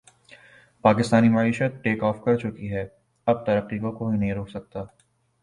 پاکستانی معشیت take off کرچکی ھے اب ترقی کو کوئی نہیں روک سکتا